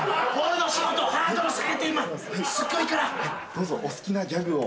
どうぞお好きなギャグを。